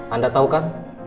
anda tahu kan